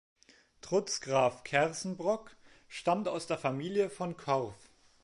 Trutz Graf Kerssenbrock stammt aus der Familie von Korff.